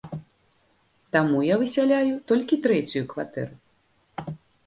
Таму я высяляю толькі трэцюю кватэру.